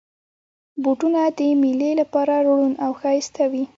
بوټونه د مېلې لپاره روڼ او ښایسته وي.